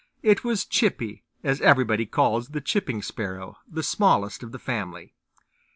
It was Chippy, as everybody calls the Chipping Sparrow, the smallest of the family.